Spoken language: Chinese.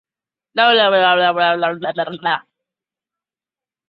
民进党发言人阮昭雄公开邱毅道歉录音档。